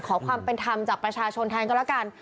ขอความเป็นธรรมจากประชาชนแทนก็แล้วกัน